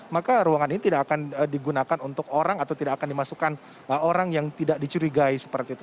maka ruangan ini tidak akan digunakan untuk orang atau tidak akan dimasukkan orang yang tidak dicurigai seperti itu